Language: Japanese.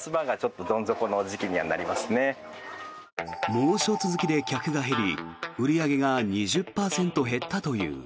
猛暑続きで客が減り売り上げが２０％減ったという。